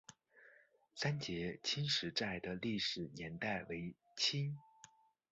三捷青石寨的历史年代为清。